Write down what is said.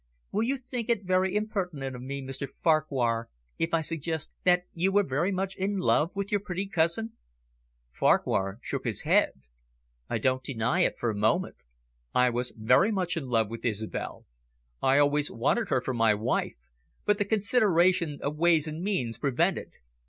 "Will you think it very impertinent of me, Mr Farquhar, if I suggest that you were very much in love with your pretty cousin?" Farquhar shook his head. "I don't deny it for a moment. I was very much in love with Isobel. I always wanted her for my wife, but the consideration of ways and means prevented.